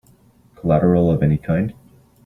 Collateral of any kind?